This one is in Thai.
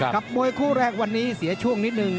มวยคู่แรกวันนี้เสียช่วงนิดนึง